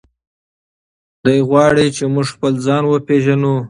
دی غواړي چې موږ خپل ځان وپیژنو.